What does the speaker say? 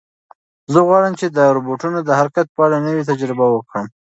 زه غواړم چې د روبوټونو د حرکت په اړه نوې تجربه وکړم.